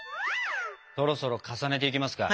そろそろ重ねていきますか？